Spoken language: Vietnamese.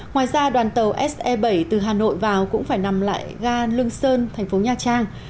ngoài ra đoàn tàu se bảy từ hà nội vào cũng phải nằm lại ga lương sơn thành phố nha trang